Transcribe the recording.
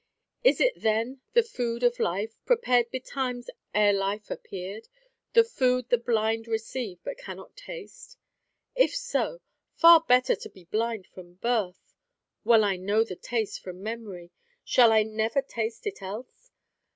Is it then the food of life, prepared betimes ere life appeared, the food the blind receive but cannot taste? If so, far better to be blind from birth. Well I know the taste from memory; shall I never taste it else?